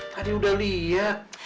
tadi udah liat